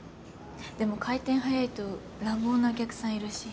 でも回転早いと乱暴なお客さんいるし。